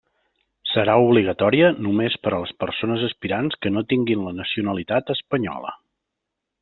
Serà obligatòria només per a les persones aspirants que no tinguin la nacionalitat espanyola.